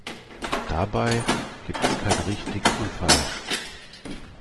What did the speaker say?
Dabei gibt es kein Richtig und Falsch.